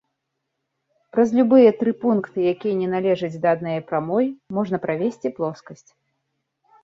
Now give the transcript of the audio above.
Праз любыя тры пункты, якія не належаць да аднае прамой, можна правесці плоскасць.